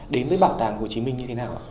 đến với bảo tàng hồ chí minh như thế nào ạ